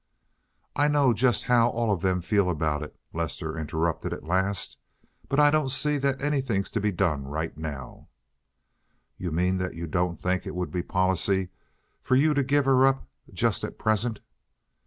"I know just how all of them feel about it," Lester interrupted at last, "but I don't see that anything's to be done right now." "You mean that you don't think it would be policy for you to give her up just at present?"